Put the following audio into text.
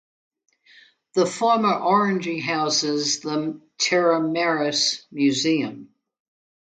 The former orangery houses the Terra Maris museum.